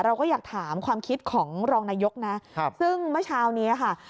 เราก็อยากถามความคิดของรองนายกนะซึ่งเมื่อเช้านี้ค่ะ